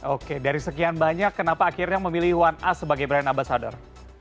oke dari sekian banyak kenapa akhirnya memilih satu a sebagai brand ambasador